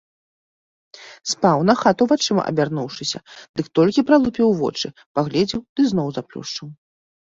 Спаў на хату вачыма абярнуўшыся, дык толькі пралупіў вочы, паглядзеў ды зноў заплюшчыў.